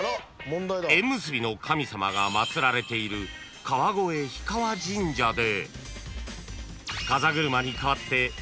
［縁結びの神様が祭られている川越氷川神社で］